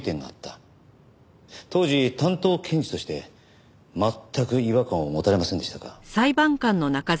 当時担当検事として全く違和感を持たれませんでしたか？